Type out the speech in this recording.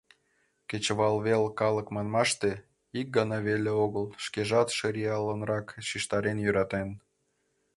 Кечывалвел калык манмаште, ик гана веле огыл шкежат шыриялынрак шижтараш йӧратен: